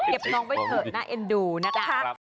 เก็บน้องไว้เถอะน่าเอ็นดูนะครับ